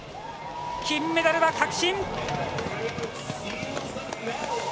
金メダルは確信！